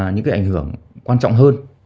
những cái ảnh hưởng quan trọng hơn